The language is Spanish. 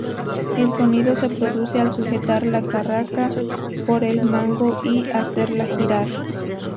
El sonido se produce al sujetar la carraca por el mango y hacerla girar.